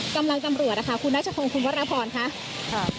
กำลังตำรวจนะคะคุณนัชโภงคุณวัตรรพรค่ะค่ะ